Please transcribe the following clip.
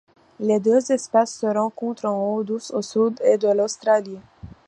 Les deux espèces se rencontre en eau douce au sud-est de l'Australie.